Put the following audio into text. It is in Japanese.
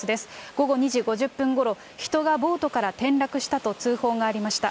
午後２時５０分ごろ、人がボートから転落したと通報がありました。